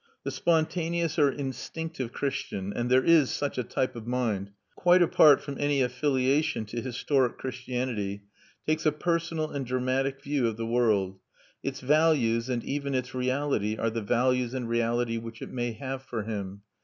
The spontaneous or instinctive Christian and there is such a type of mind, quite apart from any affiliation to historic Christianity takes a personal and dramatic view of the world; its values and even its reality are the values and reality which it may have for him.